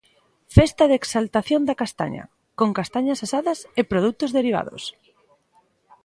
Festa de exaltación da castaña, con castañas asadas e produtos derivados.